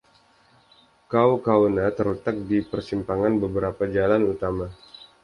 Kaukauna terletak di persimpangan beberapa jalan utama.